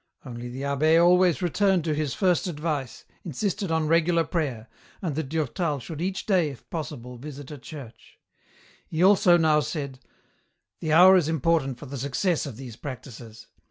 Only the abb^ always returned to his first advice, insisted on regular prayer, and that Durtal should each day, if possible, visit a church. He also now said, " The hour is important for the success of these practices.